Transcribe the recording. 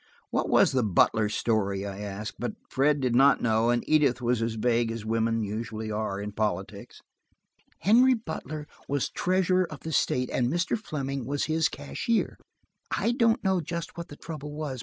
"What was the Butler story?" I asked. But Fred did not know, and Edith was as vague as women usually are in politics. "Henry Butler was treasurer of the state, and Mr. Fleming was his cashier. I don't know just what the trouble was.